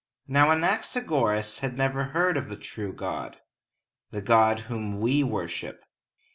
Now, Anaxagoras had never heard of the true God, the God whom we worship.